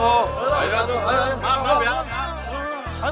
putar putar putar